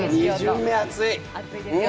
２巡目、熱い。